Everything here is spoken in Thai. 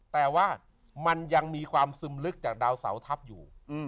แต่ว่ามันยังมีความซึมลึกจากดาวเสาทัพอยู่